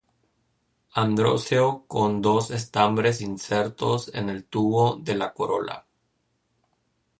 Androceo con dos estambres insertos en el tubo de la corola.